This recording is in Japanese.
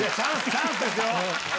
チャンスですよ！